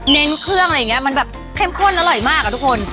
เน้นเครื่องอะไรอย่างนี้มันแบบเข้มข้นอร่อยมากอ่ะทุกคน